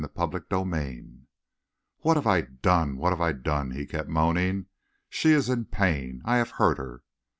CHAPTER TWENTY SIX "What have I done? What have I done?" he kept moaning. "She is in pain. I have hurt her."